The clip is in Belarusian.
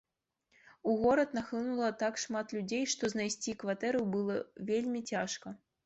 У горад нахлынула так шмат людзей, што знайсці кватэру было вельмі цяжка.